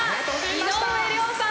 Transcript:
井上涼さん